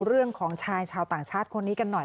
เรื่องของชายชาวต่างชาติคนนี้กันหน่อย